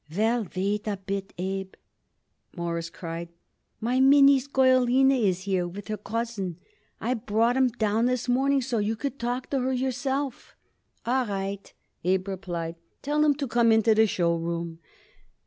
"Well, wait a bit, Abe," Morris cried. "My Minnie's girl Lina is here with her cousin. I brought 'em down this morning so you could talk to her yourself." "All right," Abe replied. "Tell 'em to come into the show room."